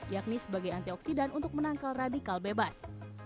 yakni sebagai antioksidan untuk menangkal radikal bebas